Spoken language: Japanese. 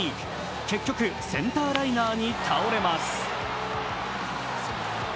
結局センターライナーに倒れます。